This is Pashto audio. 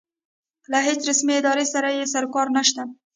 له هېڅ رسمې ادارې سره یې سروکار نشته.